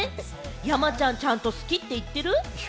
山ちゃん、ちゃんと好きって言ってる？